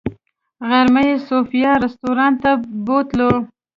غرمه یې صوفیا رسټورانټ ته بوتلو.